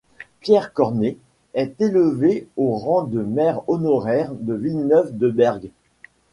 Pierre Cornet est élevé au rang de maire honoraire de Villeneuve-de-Berg.